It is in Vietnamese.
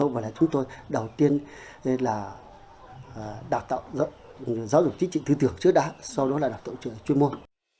và là chúng tôi đầu tiên là đào tạo giáo dục chính trị tư tưởng trước đảng sau đó là đào tạo chuyên môn